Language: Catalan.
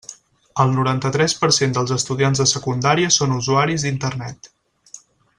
El noranta-tres per cent dels estudiants de secundària són usuaris d'Internet.